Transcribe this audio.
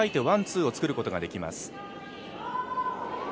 ワン、ツーを作ることができます。